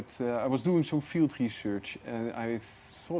saya sedang melakukan penelitian di bidang